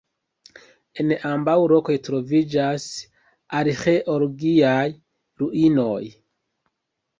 En ambaŭ lokoj troviĝas arĥeologiaj ruinoj.